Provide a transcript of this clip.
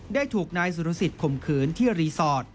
ได้ถูกนายสุรสิทธิ์ข่มขืนที่รีสอร์ท